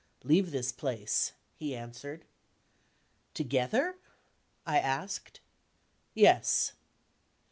"Leave this place," he answered. "Together?" I asked. "Yes."